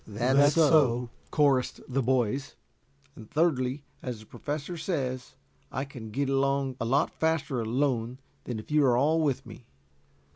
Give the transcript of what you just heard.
"That's so," chorused the boys. "And thirdly, as the Professor says, I can get along a lot faster alone than if you are all with me."